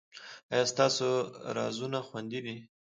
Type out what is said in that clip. ایا ستاسو رازونه خوندي دي؟